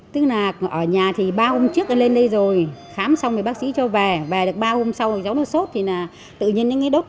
tức là ở nhà thì ba hôm trước em lên đây rồi khám xong thì bác sĩ cho về về được ba hôm sau giống như sốt thì là tự nhiên những cái đốt